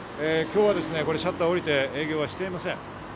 今日はシャッターがおりて営業していません。